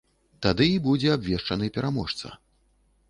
Тады і будзе абвешчаны пераможца.